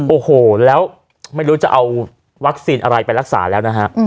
โอ้โหแล้วไม่รู้จะเอาวัคซีนอะไรไปรักษาแล้วนะฮะ